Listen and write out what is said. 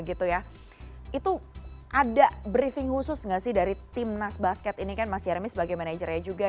itu ada briefing khusus nggak sih dari timnas basket ini kan mas jeremy sebagai manajernya juga